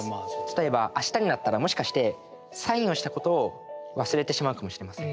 例えば明日になったらもしかしてサインをしたことを忘れてしまうかもしれません。